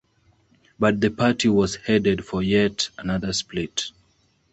But the party was headed for yet another split.